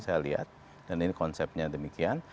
saya lihat dan ini konsepnya demikian